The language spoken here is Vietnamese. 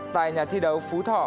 tại nhà thi đấu phú thọ